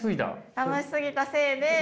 楽しすぎたせいで。